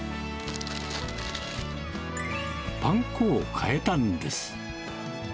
パン粉を変えたんです。